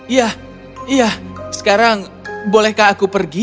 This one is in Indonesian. ya ya sekarang bolehkah aku pergi